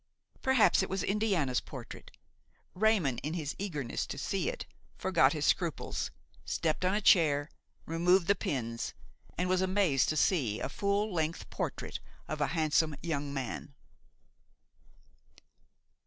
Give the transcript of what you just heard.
Perhaps it was Indiana's portrait. Raymon, in his eagerness to see it, forgot his scruples, stepped on a chair, removed the pins, and was amazed to see a full length portrait of a handsome young man.